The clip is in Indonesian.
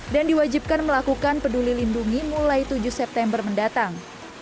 diwajibkan melakukan peduli lindungi mulai tujuh september mendatang